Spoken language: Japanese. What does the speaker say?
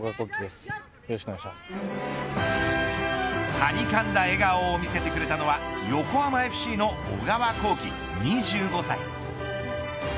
はにかんだ笑顔を見せてくれたのは横浜ＦＣの小川航基、２５歳。